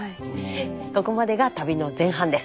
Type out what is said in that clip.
ここまでが旅の前半です。